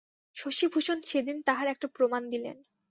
শশিভূষণ সেদিন তাহার একটা প্রমাণ দিলেন।